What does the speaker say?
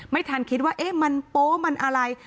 ไม่ทันคิดว่าเอ๊ะมันโป๊มันอะไร